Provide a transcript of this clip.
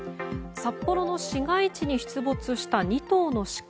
札幌の市街地に出没した２頭のシカ。